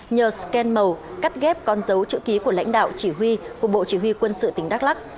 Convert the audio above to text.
nhờ scan màu cắt ghép con dấu chữ ký của lãnh đạo chỉ huy của bộ chỉ huy quân sự tỉnh đắk lắc